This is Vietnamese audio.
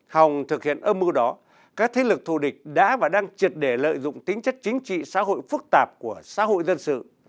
hòng thực hiện âm mưu đó các thế lực thù địch đã và đang triệt để lợi dụng tính chất chính trị xã hội phức tạp của xã hội dân sự